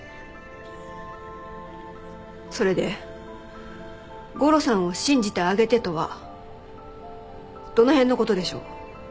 それで「ゴロさんを信じてあげて」とはどの辺の事でしょう？